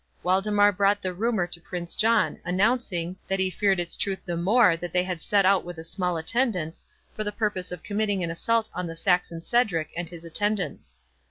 Waldemar brought the rumour to Prince John, announcing, that he feared its truth the more that they had set out with a small attendance, for the purpose of committing an assault on the Saxon Cedric and his attendants.